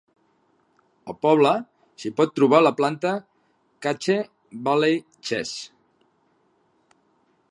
Al poble s'hi pot trobar la planta Cache Valley Cheese.